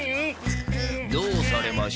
どうされましたか？